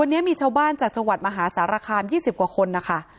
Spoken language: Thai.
วันนี้มีชาวบ้านจากจังหวัดมหาสารคาม๒๐กว่าคนนะคะ